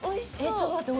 ちょっと待って。